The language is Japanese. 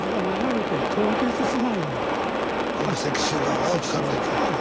この石州瓦を使ってると。